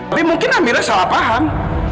tapi mungkin amerika salah paham